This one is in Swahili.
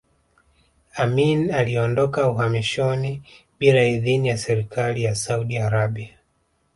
Amin aliondoka uhamishoni bila idhini ya serikali ya Saudi Arabia